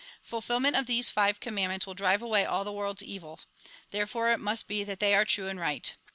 Fulfilment of these five commandments will drive away all the world's evil; therefore it must be that they are true and right.